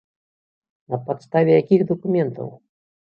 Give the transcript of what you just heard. На падставе якіх дакументаў?